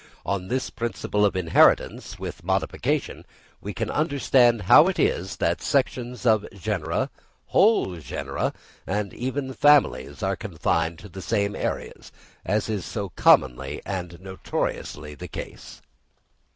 On this principle of inheritance with modification we can understand how it is that sections of genera, whole genera, and even families, are confined to the same areas, as is so commonly and notoriously the case.